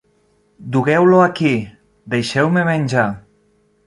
Dugueu-lo aquí! Deixeu-me menjar!